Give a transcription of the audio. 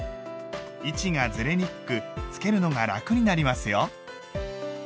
位置がずれにくくつけるのが楽になりますよ。